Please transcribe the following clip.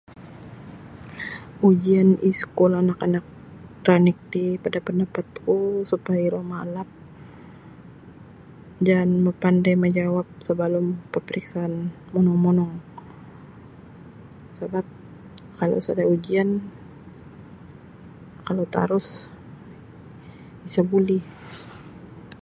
Ujian iskul anak-anak ranik ti supaya iro malap dan mapandai mamajawab sebelum peperiksaan monong-monong sebap kalau sada ujian kalau tarus isa buli.